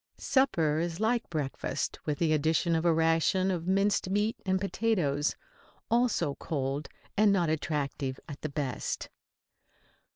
Supper is like breakfast with the addition of a ration of minced meat and potatoes, also cold and not attractive at the best.